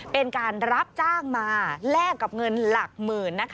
เป็นการรับจ้างมาแลกกับเงินหลักหมื่น